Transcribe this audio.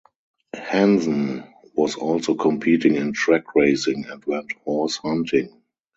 Hansen was also competing in track racing and went horse hunting.